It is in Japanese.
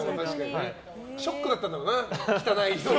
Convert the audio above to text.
ショックだったんだろうな汚い映像で。